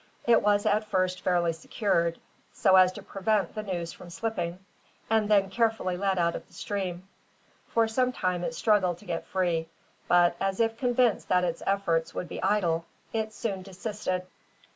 It was at first fairly secured, so as to prevent the noose from slipping, and then carefully led out of the stream. For some time it struggled to get free, but, as if convinced that its efforts would be idle, it soon desisted.